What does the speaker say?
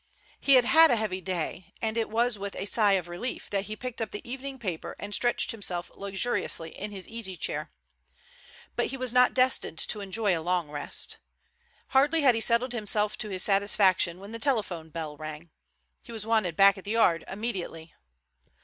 He had had a heavy day, and it was with a sigh of relief that he picked up the evening paper and stretched himself luxuriously in his easy chair. But he was not destined to enjoy a long rest. Hardly had he settled himself to his satisfaction when the telephone bell rang. He was wanted back at the Yard immediately.